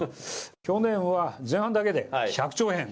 去年は前半だけで１００兆円。